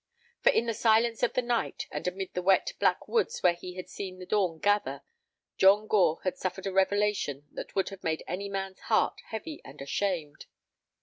For in the silence of the night, and amid the wet, black woods where he had seen the dawn gather, John Gore had suffered a revelation that would have made any man's heart heavy and ashamed.